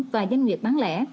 và doanh nghiệp bán lẻ